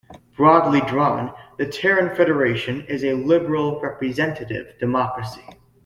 Broadly drawn, the Terran Federation is a liberal, representative democracy.